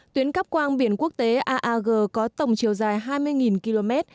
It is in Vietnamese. tuyến cắp quang biển quốc tế aag có tổng chiều dài hai mươi km